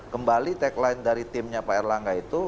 kembali tagline dari timnya pak erlangga itu